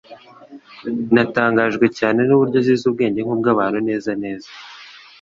Natangajwe cyane n'uburyo zizi ubwenge nk'ubw'abantu neza neza.